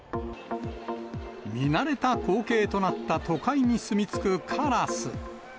見慣れた光景となった都会に住み着くカラス。